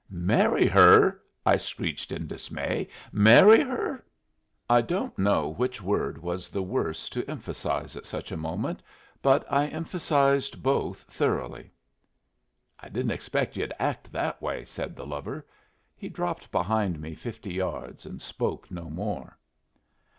"Marry her!" I screeched in dismay. "Marry her!" I don't know which word was the worse to emphasize at such a moment, but I emphasized both thoroughly. "I didn't expect yu'd act that way," said the lover. He dropped behind me fifty yards and spoke no more.